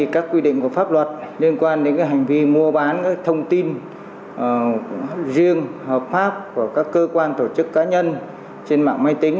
các quy định của pháp luật liên quan đến hành vi mua bán các thông tin riêng hợp pháp của các cơ quan tổ chức cá nhân trên mạng máy tính